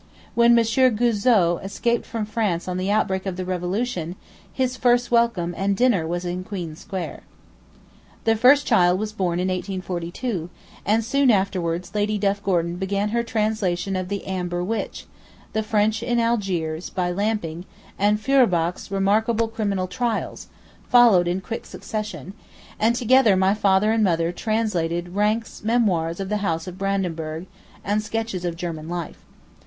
When M. Guizot escaped from France on the outbreak of the Revolution, his first welcome and dinner was in Queen Square. The first child was born in 1842, and soon afterwards Lady Duff Gordon began her translation of 'The Amber Witch'; the 'French in Algiers' by Lamping, and Feuerbach's 'Remarkable Criminal Trials,' followed in quick succession; and together my father and mother translated Ranke's 'Memoirs of the House of Brandenburg' and 'Sketches of German Life.